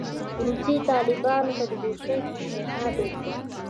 روسیې طالبانو ته د دوستۍ پېشنهاد وکړ.